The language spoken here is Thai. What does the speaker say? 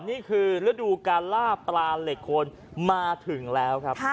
นี่คือฤดูการล่าปลาเหล็กโคนมาถึงแล้วครับ